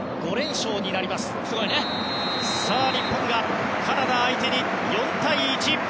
日本、カナダ相手に４対１。